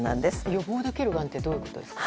予防できるがんというのはどういうことですか？